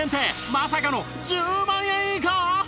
まさかの１０万円以下！？